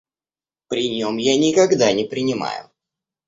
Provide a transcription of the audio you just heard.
При нем я никогда не принимаю.